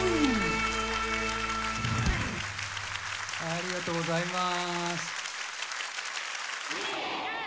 ありがとうございます。